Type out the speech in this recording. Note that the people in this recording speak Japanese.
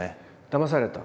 だまされた。